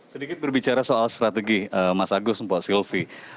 sedikit berbicara soal strategi mas agus dan pak sylvi